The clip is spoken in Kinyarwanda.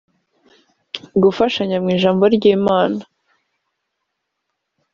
gufashanya mu ijambo ry’Imana